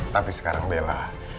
tapi sekarang bella